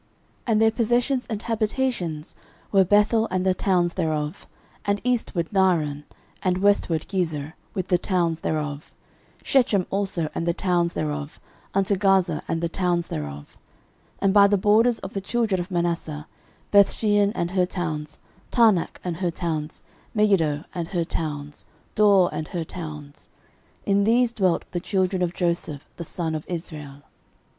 13:007:028 And their possessions and habitations were, Bethel and the towns thereof, and eastward Naaran, and westward Gezer, with the towns thereof; Shechem also and the towns thereof, unto Gaza and the towns thereof: 13:007:029 And by the borders of the children of Manasseh, Bethshean and her towns, Taanach and her towns, Megiddo and her towns, Dor and her towns. In these dwelt the children of Joseph the son of Israel.